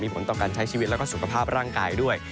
ผลต่อการใช้ชีวิตแล้วก็สุขภาพร่างกายด้วย